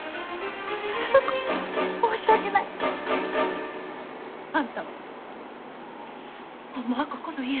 スズ子申し訳ない。あんたはホンマはここの家の子じゃけん。